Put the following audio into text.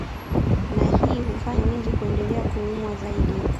Na hii hufanya wengi kuendelea kuumwa zaidi